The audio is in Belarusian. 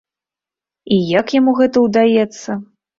І як яму гэта ўдаецца?